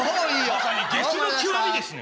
まさにゲスの極みですね。